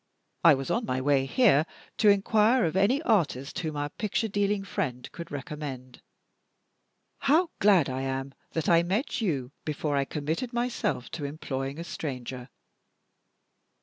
I was on my way here to inquire of any artist whom our picture dealing friend could recommend. How glad I am that I met you before I had committed myself to employing a stranger!"